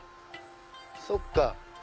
そっか。